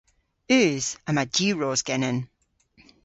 Eus. Yma diwros genen.